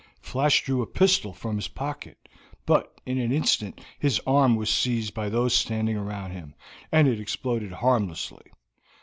Flash drew a pistol from his pocket, but in an instant his arm was seized by those standing round him, and it exploded harmlessly.